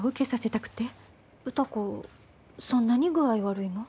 そんなに具合悪いの？